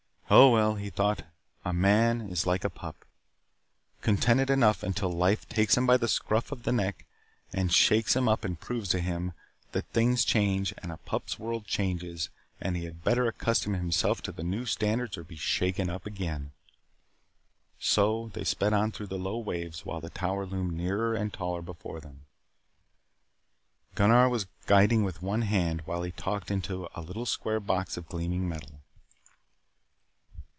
Oh, well, he thought, a man is like a pup. Contented enough until life takes him by the scruff of the neck and shakes him up and proves to him that things change and a pup's world changes and he had better accustom himself to new standards or be shaken up again. So they sped on through the low waves while the Tower loomed nearer and taller before them. Gunnar was guiding with one hand while he talked into a little square box of gleaming metal.